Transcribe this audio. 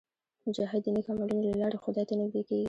مجاهد د نیک عملونو له لارې خدای ته نږدې کېږي.